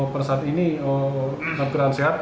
pada saat ini bergerak sehat